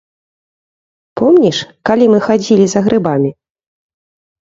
Помніш, калі мы хадзілі за грыбамі.